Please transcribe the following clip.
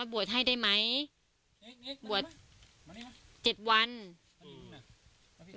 ไว้ให้ได้มั้ยบวชเจ็ดวันอึ